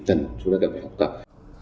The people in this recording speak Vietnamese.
cần chúng ta cần phải học tập